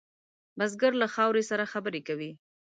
بزګر له خاورې سره خبرې کوي